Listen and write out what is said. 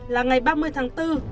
là ngày ba mươi tháng bốn